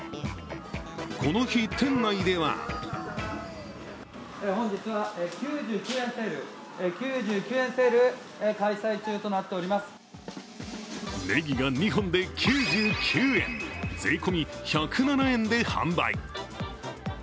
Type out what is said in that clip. この日、店内ではネギが２本で９９円、税込み１０７円で販売。